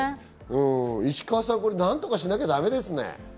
石川さん、何とかしなきゃだめですね。